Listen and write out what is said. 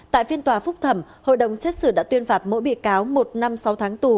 tại phiên tòa phúc thẩm hội đồng xét xử đã tuyên phạt mỗi bị cáo một năm sáu tháng tù